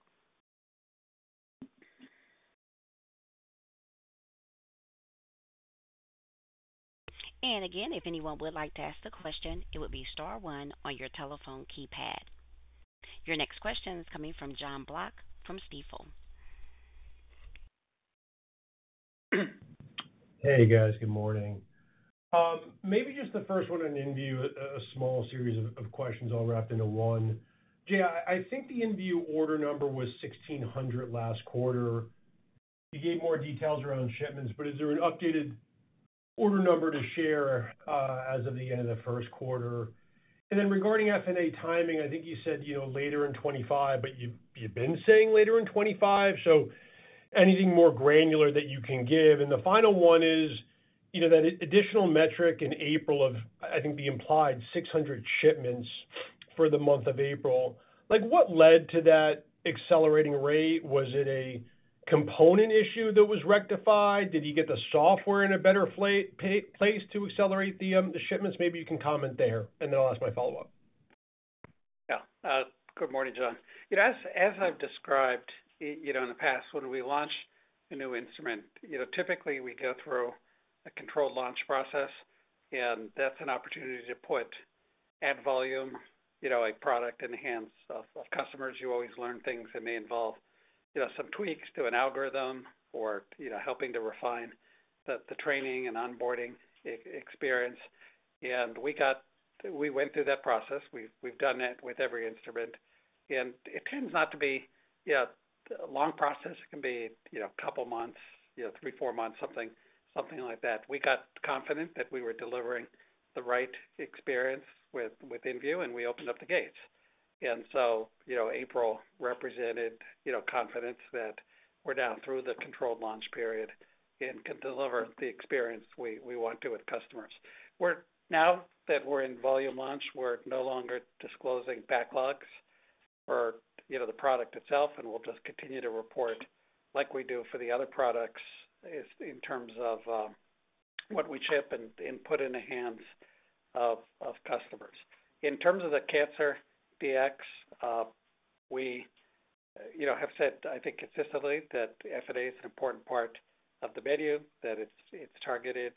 Again, if anyone would like to ask a question, it would be star one on your telephone keypad. Your next question is coming from John Block from Stifel. Hey, guys. Good morning. Maybe just the first one on Enview, a small series of questions all wrapped into one. Jay, I think the Enview order number was 1,600 last quarter. You gave more details around shipments, but is there an updated order number to share as of the end of the Q1? Then regarding FNA timing, I think you said later in 2025, but you've been saying later in 2025. Anything more granular that you can give? The final one is that additional metric in April of, I think, the implied 600 shipments for the month of April. What led to that accelerating rate? Was it a component issue that was rectified? Did you get the software in a better place to accelerate the shipments? Maybe you can comment there, and then I'll ask my follow-up. Yeah. Good morning, John. As I've described in the past, when we launch a new instrument, typically we go through a controlled launch process, and that's an opportunity to put add volume-like product in the hands of customers. You always learn things that may involve some tweaks to an algorithm or helping to refine the training and onboarding experience. We went through that process. We've done that with every instrument. It tends not to be a long process. It can be a couple of months, three, four months, something like that. We got confident that we were delivering the right experience with Enview, and we opened up the gates. April represented confidence that we're now through the controlled launch period and can deliver the experience we want to with customers. Now that we're in volume launch, we're no longer disclosing backlogs for the product itself, and we'll just continue to report like we do for the other products in terms of what we ship and put in the hands of customers. In terms of the Cancer DX, we have said, I think, consistently that FNA is an important part of the menu, that it's targeted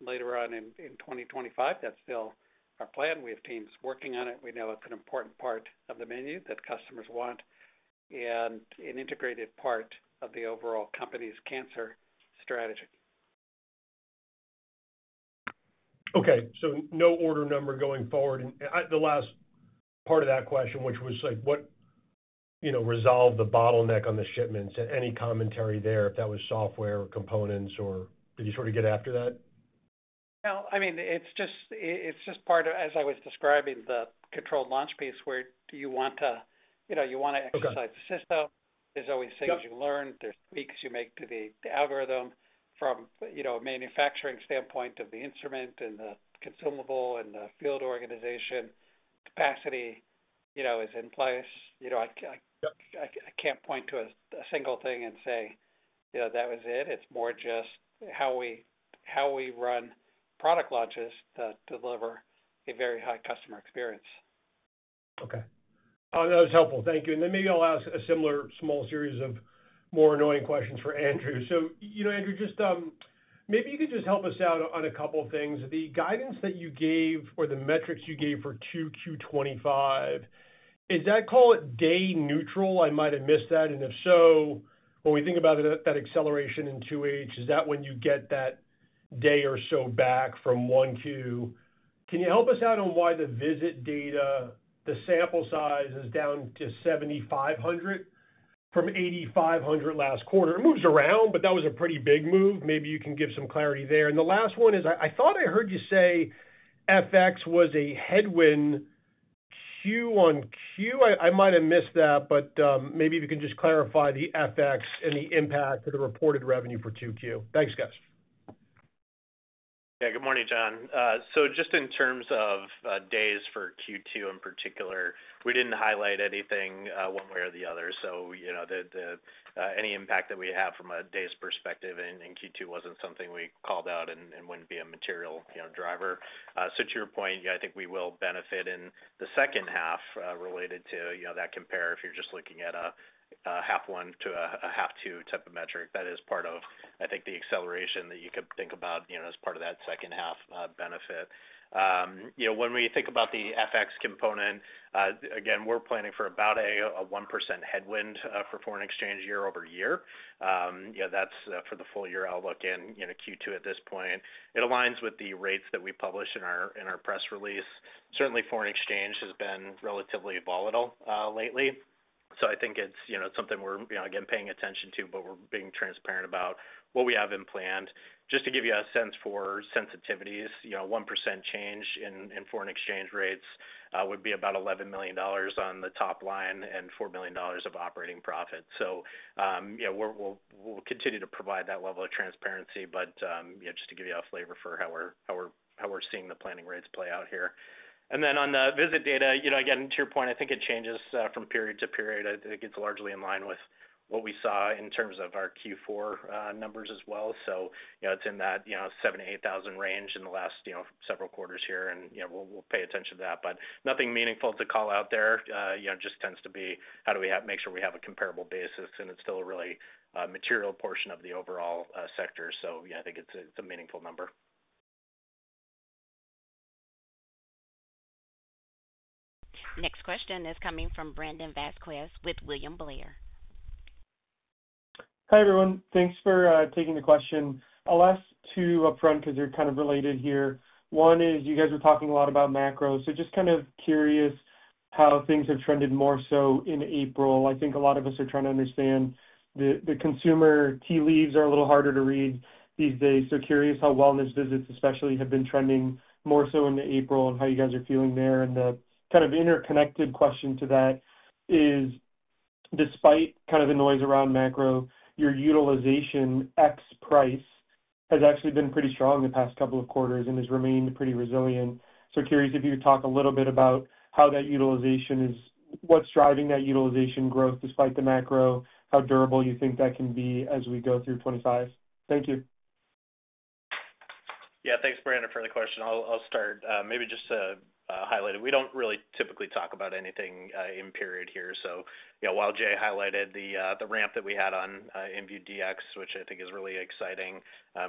later on in 2025. That's still our plan. We have teams working on it. We know it's an important part of the menu that customers want and an integrated part of the overall company's cancer strategy. Okay. No order number going forward. The last part of that question, which was like, what resolved the bottleneck on the shipments? Any commentary there if that was software or components, or did you sort of get after that? No. I mean, it's just part of, as I was describing, the controlled launch piece where you want to—you want to exercise the system. There's always things you learn. There are tweaks you make to the algorithm from a manufacturing standpoint of the instrument and the consumable and the field organization. Capacity is in place. I can't point to a single thing and say that was it. It's more just how we run product launches to deliver a very high customer experience. Okay. That was helpful. Thank you. Maybe I'll ask a similar small series of more annoying questions for Andrew. So Andrew, just maybe you could just help us out on a couple of things. The guidance that you gave or the metrics you gave for Q25, is that called day neutral? I might have missed that. And if so, when we think about that acceleration in 2H, is that when you get that day or so back from one Q? Can you help us out on why the visit data, the sample size is down to 7,500 from 8,500 last quarter? It moves around, but that was a pretty big move. Maybe you can give some clarity there. And the last one is I thought I heard you say FX was a headwind Q on Q. I might have missed that, but maybe if you can just clarify the FX and the impact of the reported revenue for 2Q. Thanks, guys. Yeah. Good morning, John. Just in terms of days for Q2 in particular, we did not highlight anything one way or the other. Any impact that we have from a day's perspective in Q2 was not something we called out and would not be a material driver. To your point, I think we will benefit in the second half related to that compare if you are just looking at a half one to a half two type of metric. That is part of, I think, the acceleration that you could think about as part of that second half benefit. When we think about the FX component, again, we are planning for about a 1% headwind for foreign exchange year over year. That's for the full year outlook in Q2 at this point. It aligns with the rates that we publish in our press release. Certainly, foreign exchange has been relatively volatile lately. I think it's something we're, again, paying attention to, but we're being transparent about what we have in plan. Just to give you a sense for sensitivities, 1% change in foreign exchange rates would be about $11 million on the top line and $4 million of operating profit. We'll continue to provide that level of transparency, just to give you a flavor for how we're seeing the planning rates play out here. On the visit data, again, to your point, I think it changes from period to period. I think it's largely in line with what we saw in terms of our Q4 numbers as well. It's in that 7,000-8,000 range in the last several quarters here, and we'll pay attention to that. Nothing meaningful to call out there. It just tends to be how do we make sure we have a comparable basis, and it's still a really material portion of the overall sector. I think it's a meaningful number. Next question is coming from Brandon Vasquez with William Blair. Hi, everyone. Thanks for taking the question. I'll ask two upfront because they're kind of related here. One is you guys were talking a lot about macros. Just kind of curious how things have trended more so in April. I think a lot of us are trying to understand the consumer tea leaves are a little harder to read these days. Curious how wellness visits, especially, have been trending more so in April and how you guys are feeling there. The kind of interconnected question to that is, despite kind of the noise around macro, your utilization X price has actually been pretty strong the past couple of quarters and has remained pretty resilient. Curious if you could talk a little bit about how that utilization is, what's driving that utilization growth despite the macro, how durable you think that can be as we go through 2025. Thank you. Yeah. Thanks, Brandon, for the question. I'll start. Maybe just to highlight it, we don't really typically talk about anything in period here. While Jay highlighted the ramp that we had on Enview DX, which I think is really exciting,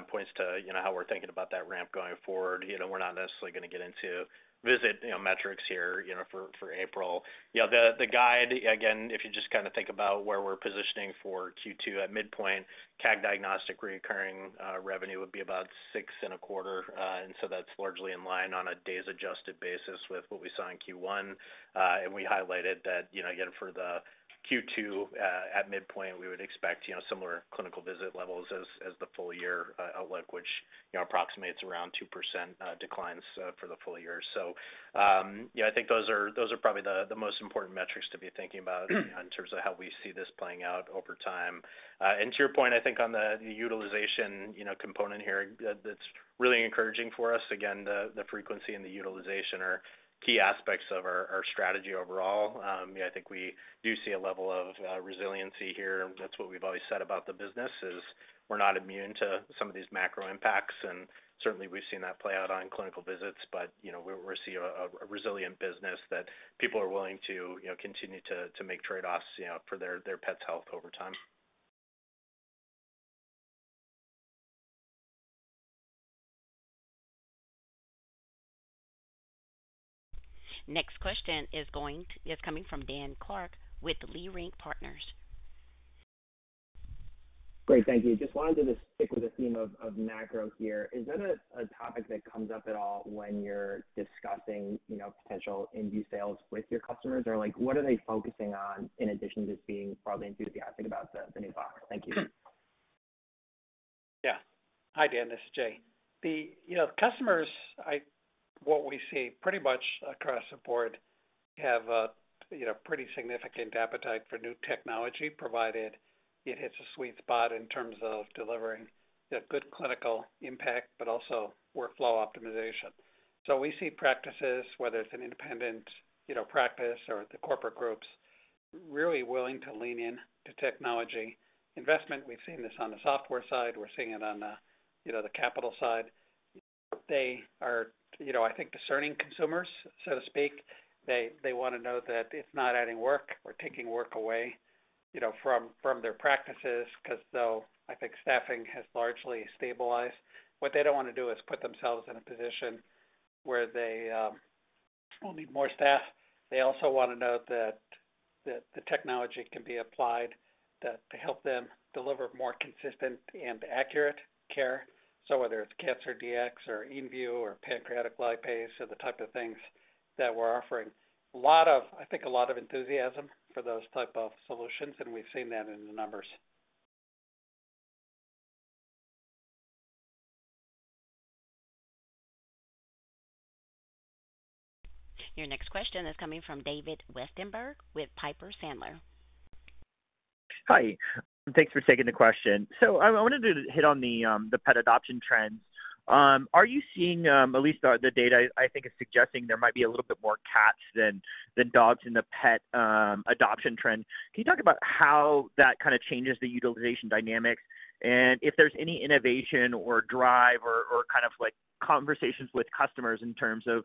points to how we're thinking about that ramp going forward. We're not necessarily going to get into visit metrics here for April. The guide, again, if you just kind of think about where we're positioning for Q2 at midpoint, CAG diagnostic recurring revenue would be about $6.25 billion. That's largely in line on a day's adjusted basis with what we saw in Q1. We highlighted that again for the Q2 at midpoint, we would expect similar clinical visit levels as the full year outlook, which approximates around 2% declines for the full year. I think those are probably the most important metrics to be thinking about in terms of how we see this playing out over time. To your point, I think on the utilization component here, it's really encouraging for us. Again, the frequency and the utilization are key aspects of our strategy overall. I think we do see a level of resiliency here. That's what we've always said about the business is we're not immune to some of these macro impacts. Certainly, we've seen that play out on clinical visits, but we see a resilient business that people are willing to continue to make trade-offs for their pet's health over time. Next question is coming from Dan Clark with Leerink Partners. Great. Thank you. Just wanted to stick with the theme of macro here. Is that a topic that comes up at all when you're discussing potential Enview sales with your customers? Or what are they focusing on in addition to being probably enthusiastic about the new box? Thank you. Yeah. Hi, Dan. This is Jay. The customers, what we see pretty much across the board, have a pretty significant appetite for new technology, provided it hits a sweet spot in terms of delivering good clinical impact, but also workflow optimization. We see practices, whether it's an independent practice or the corporate groups, really willing to lean into technology investment. We've seen this on the software side. We're seeing it on the capital side. They are, I think, discerning consumers, so to speak. They want to know that it's not adding work or taking work away from their practices because though I think staffing has largely stabilized. What they don't want to do is put themselves in a position where they will need more staff. They also want to know that the technology can be applied to help them deliver more consistent and accurate care. Whether it is Cancer DX or Enview or pancreatic lipase or the type of things that we are offering, I think a lot of enthusiasm for those types of solutions, and we have seen that in the numbers. Your next question is coming from David Westenberg with Piper Sandler. Hi. Thanks for taking the question. I wanted to hit on the pet adoption trends. Are you seeing, at least the data I think is suggesting there might be a little bit more cats than dogs in the pet adoption trend? Can you talk about how that kind of changes the utilization dynamics? If there is any innovation or drive or kind of conversations with customers in terms of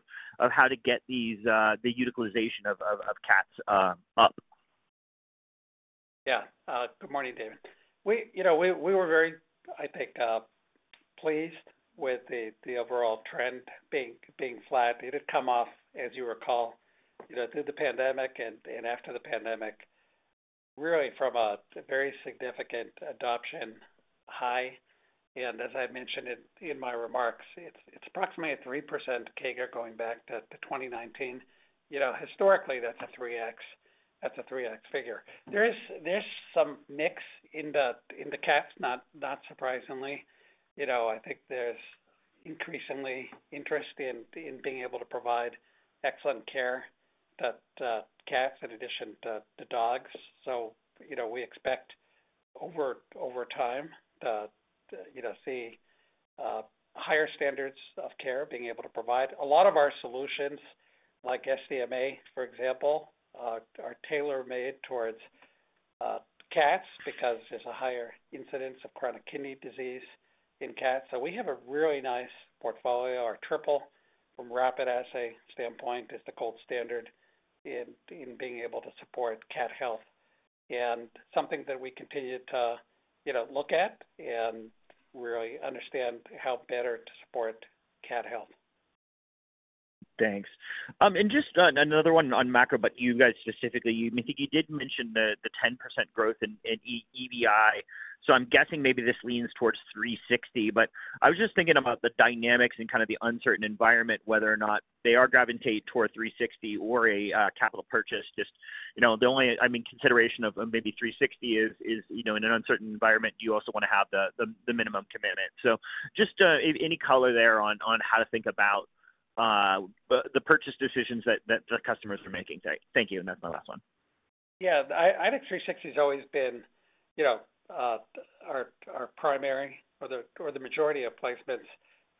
how to get the utilization of cats up? Yeah. Good morning, David. We were very, I think, pleased with the overall trend being flat. It had come off, as you recall, through the pandemic and after the pandemic, really from a very significant adoption high. As I mentioned in my remarks, it's approximately 3% CAGR going back to 2019. Historically, that's a 3X. That's a 3X figure. There's some mix in the cats, not surprisingly. I think there's increasingly interest in being able to provide excellent care to cats in addition to dogs. We expect over time to see higher standards of care being able to provide. A lot of our solutions, like SDMA, for example, are tailor-made towards cats because there's a higher incidence of chronic kidney disease in cats. We have a really nice portfolio. Our triple from Rapid Assay standpoint is the gold standard in being able to support cat health and something that we continue to look at and really understand how better to support cat health. Thanks. Just another one on macro, but you guys specifically, I think you did mention the 10% growth in EBI. I'm guessing maybe this leans toward 360, but I was just thinking about the dynamics and kind of the uncertain environment, whether or not they are gravitating toward 360 or a capital purchase. Just the only, I mean, consideration of maybe 360 is in an uncertain environment, you also want to have the minimum commitment. Just any color there on how to think about the purchase decisions that the customers are making. Thank you. That's my last one. Yeah. I think 360 has always been our primary or the majority of placements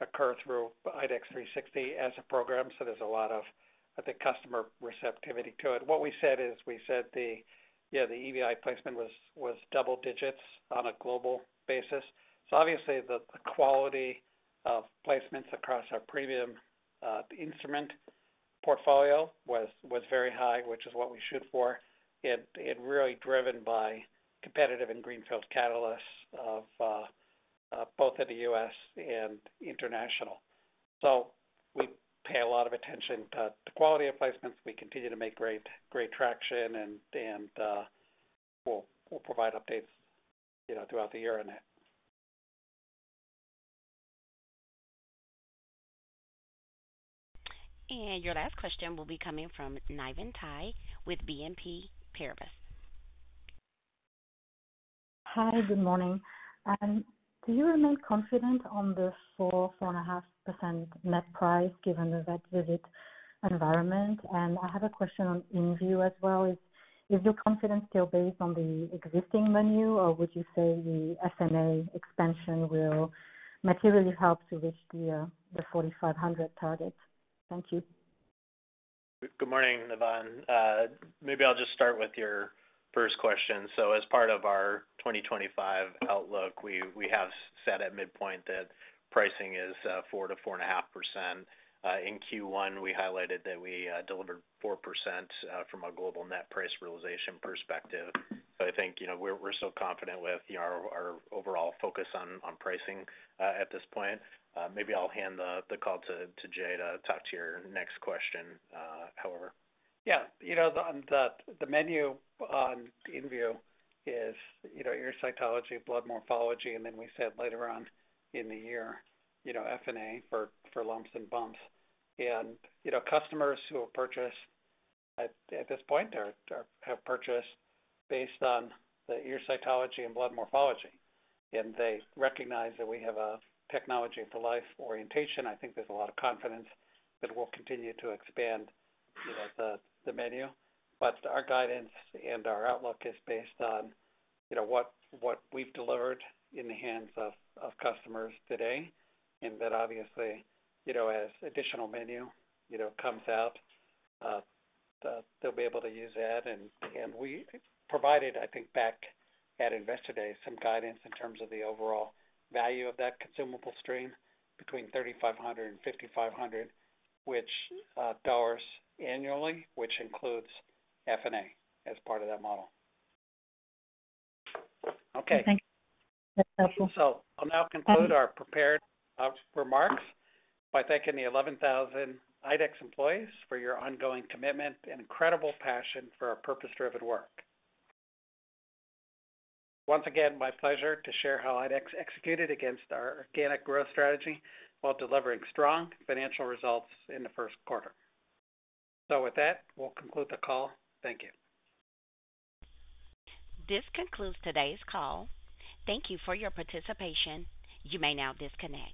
occur through IDEXX 360 as a program. There is a lot of, I think, customer receptivity to it. What we said is we said the EBI placement was double digits on a global basis. Obviously, the quality of placements across our premium instrument portfolio was very high, which is what we shoot for. It is really driven by competitive and greenfield catalysts, both in the U.S. and international. We pay a lot of attention to the quality of placements. We continue to make great traction, and we will provide updates throughout the year on it. Your last question will be coming from Niven Ty with BNP Paribas. Hi, good morning. Do you remain confident on the 4-4.5% net price given the vet visit environment? I have a question on Enview as well. Is your confidence still based on the existing menu, or would you say the SNA expansion will materially help to reach the 4,500 target? Thank you. Good morning, Niven. Maybe I will just start with your first question. As part of our 2025 outlook, we have set at midpoint that pricing is 4-4.5%. In Q1, we highlighted that we delivered 4% from a global net price realization perspective. I think we're still confident with our overall focus on pricing at this point. Maybe I'll hand the call to Jay to talk to your next question, however. Yeah. The menu on Enview is ear cytology, blood morphology, and then we said later on in the year, FNA for lumps and bumps. Customers who have purchased at this point have purchased based on the ear cytology and blood morphology. They recognize that we have a technology for life orientation. I think there's a lot of confidence that we'll continue to expand the menu. Our guidance and our outlook is based on what we've delivered in the hands of customers today. That obviously, as additional menu comes out, they'll be able to use that. We provided, I think, back at Investor Day, some guidance in terms of the overall value of that consumable stream between $3,500-$5,500 annually, which includes FNA as part of that model. Thank you. That's helpful. I will now conclude our prepared remarks by thanking the 11,000 IDEXX employees for your ongoing commitment and incredible passion for our purpose-driven work. Once again, it is my pleasure to share how IDEXX executed against our organic growth strategy while delivering strong financial results in the Q1. With that, we will conclude the call. Thank you. This concludes today's call. Thank you for your participation. You may now disconnect.